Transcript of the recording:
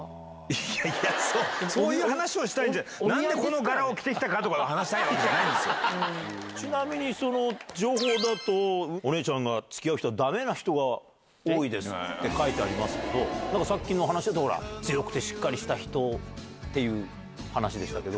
いやいや、そういう話をしたいんじゃない、なんでこの柄を着てきたかとか話ちなみにその情報だと、お姉ちゃんがつきあう人はだめな人が多いですって書いてありますけど、なんかさっきの話だと、ほら、強くてしっかりした人っていう話でしたけど。